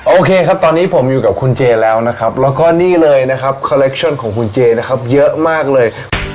โอเคครับตอนนี้ผมอยู่กับคุณเจแล้วนะครับแล้วก็นี่เลยนะครับคอเล็กชั่นของคุณเจนะครับเยอะมากเลย